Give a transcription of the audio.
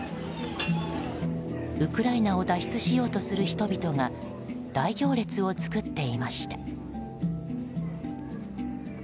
ウクライナを脱出しようとする人々が大行列を作っていました。